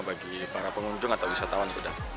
bagi para pengunjung atau wisatawan kuda